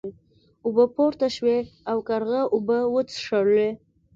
اوبه پورته شوې او کارغه اوبه وڅښلې.